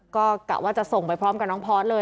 ก็กะว่าจะส่งไปพร้อมกับน้องพอร์ตเลย